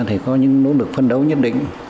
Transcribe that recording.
thì có những nỗ lực phân đấu nhất định